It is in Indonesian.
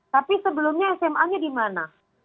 tapi sebelumnya sma nya di mana